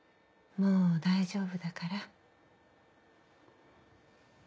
もう大丈夫だから。